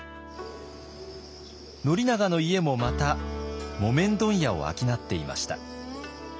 宣長の家もまた木綿問屋を商っていました。